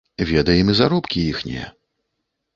Ведаем і заробкі іхнія.